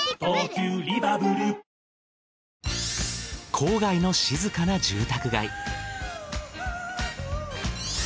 郊外の静かな住宅街。